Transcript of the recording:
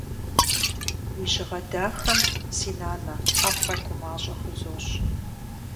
Уи жьыгъэ дахэм, си нанэ, ӏэплӏэ гумащӏэ хузощӏ.